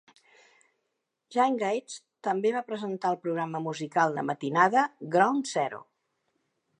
Jade Gatt també va presentar el programa musical de matinada Ground Zero.